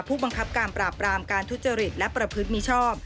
ผู้บังคับการปราบรามการทุจริตและประพฤติมีชอบ